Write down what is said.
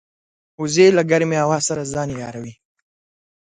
وزې له ګرمې هوا سره ځان عیاروي